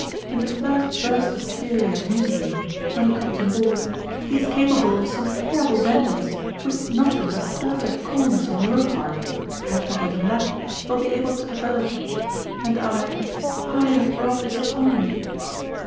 In the first burst of fury at meeting you, when he comes on board, he is capable of some terrible vengeance, which nothing but perfect coolness on your part perhaps not even that will be able to avert. And I I have brought this upon you